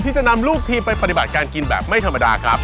ที่จะนำลูกทีมไปปฏิบัติการกินแบบไม่ธรรมดาครับ